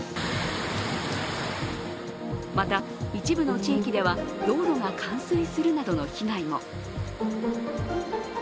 また、一部の地域では道路が冠水するなどの被害も。